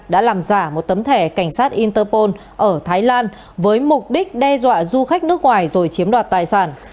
đã làm giả một tấm thẻ cảnh sát interpol ở thái lan với mục đích đe dọa du khách nước ngoài rồi chiếm đoạt tài sản